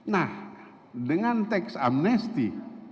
nah dengan teks amnesti